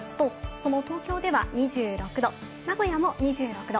その東京では２６度、名古屋も２６度。